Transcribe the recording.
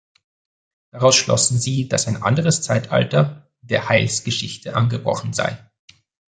Daraus schlossen sie, dass ein anderes Zeitalter der Heilsgeschichte angebrochen sei.